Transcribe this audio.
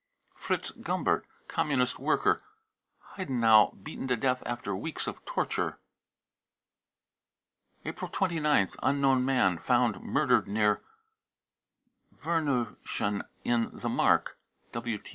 fritz gumbert, Communist worker, Heidenau, beaten to death after weeks of torture. (See report.) April 29th. unknown man, found murdered near Werneuchen in the Mark.